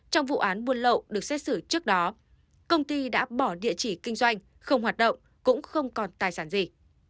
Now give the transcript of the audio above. trong vụ án buôn lậu được xét xử trước đó công ty đã bỏ địa chỉ kinh doanh không hoạt động cũng không còn tài sản gì